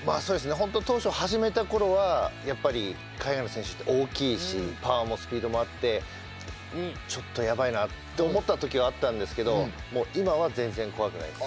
本当当初始めた頃はやっぱり海外の選手って大きいしパワーもスピードもあってちょっとやばいなって思った時はあったんですけどもう今は全然怖くないです。